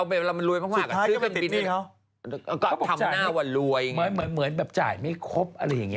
อะไรอย่างเงี้ยเหมือนว่าจ่ายไม่ครบ